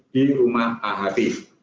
di rumah ahb